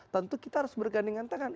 tentu kita harus bergandingan tangan